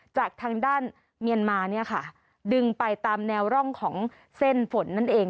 จากทางด้านเมียนมาเนี่ยค่ะดึงไปตามแนวร่องของเส้นฝนนั่นเอง